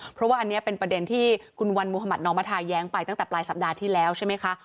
เพราะว่าอันนี้เป็นประเด็นที่คุณวันมุธมัธน้องมทาแย้งไปตั้งแต่ปลายสัปดาห์ที่แล้วใช่ไหมคะ